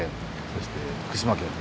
そして徳島県